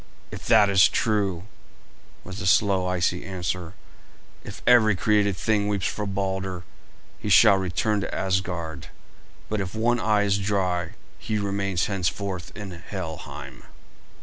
"If that is true," was the slow, icy answer, "if every created thing weeps for Balder, he shall return to Asgard; but if one eye is dry he remains henceforth in Helheim."